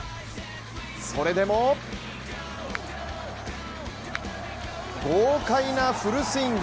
それでも豪快なフルスイング。